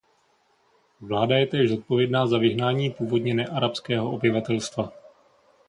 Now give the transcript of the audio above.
Vláda je též zodpovědná za vyhnání původně nearabského obyvatelstva.